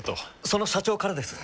その社長からです。